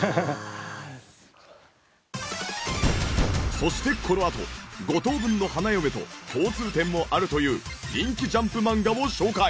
そしてこのあと『五等分の花嫁』と共通点もあるという人気ジャンプ漫画を紹介。